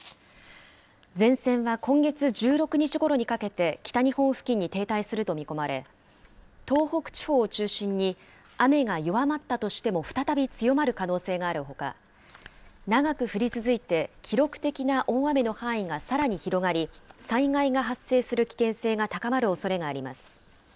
前線は今月１６日ごろにかけて、北日本付近に停滞すると見込まれ、東北地方を中心に雨が弱まったとしても、再び強まる可能性があるほか、長く降り続いて記録的な大雨の範囲がさらに広がり、災害が発生する危険性が高まるおそれがあります。